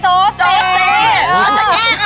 ก็ได้